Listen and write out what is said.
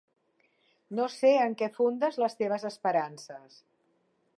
No sé en què fundes les teves esperances.